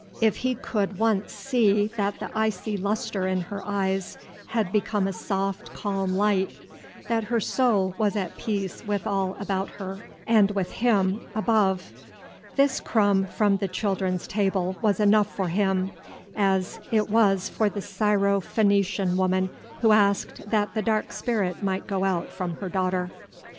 If he could once see that the icy lustre in her eyes had become a soft, calm light, that her soul was at peace with all about her and with Him; above, this crumb from the children's table was enough for him, as it was for the Syro Phoenician woman who asked that the dark spirit might go out from her daughter.